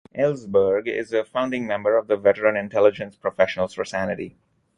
Ellsberg is a founding member of the Veteran Intelligence Professionals for Sanity.